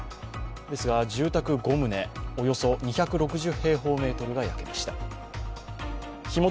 ですが、住宅５棟、およそ２６０平方メートルが焼けました。